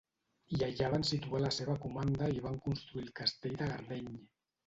I allà van situar la seva comanda i van construir el Castell de Gardeny.